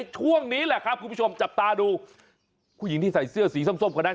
ช่วงนี้แหละครับคุณผู้ชมจับตาดูผู้หญิงที่ใส่เสื้อสีส้มคนนั้น